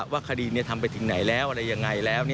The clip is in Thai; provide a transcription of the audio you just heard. ว่าคดีทำไปถึงไหนแล้วอะไรยังไงแล้ว